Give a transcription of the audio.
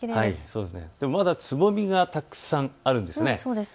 まだつぼみがたくさんあるんです。